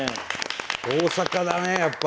大阪だねやっぱ。